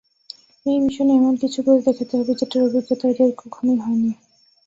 এই মিশনে এমনকিছু করে দেখাতে হবে, যেটার অভিজ্ঞতা ওদের কখনোই হয়নি।